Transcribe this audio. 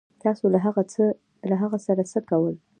تاسو له هغه سره څه کول